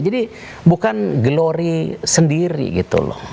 jadi bukan glory sendiri gitu loh